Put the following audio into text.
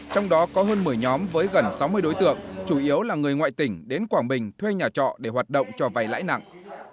trong đó có hơn một mươi nhóm với gần sáu mươi đối tượng chủ yếu là người ngoại tỉnh đến quảng bình thuê nhà trọ để hoạt động cho vay lãi nặng